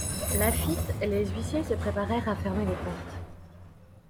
Laffitte, les huissiers se préparèrent à fermer les portes.